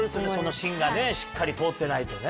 しんがしっかり通ってないとね。